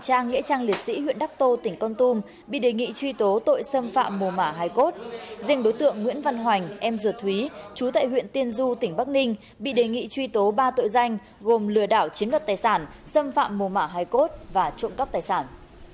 trong vụ án lừa đảo chiến đoạt tài sản do nguyễn văn thúy tức cậu thủy cầm đầu và chuyển hồ sơ sang viện kiểm soát nhân dân cung cấp đề nghị truy tố bảy đối tượng trong vụ án